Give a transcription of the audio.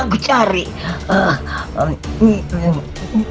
sudah lama sekali aku tidak mengiring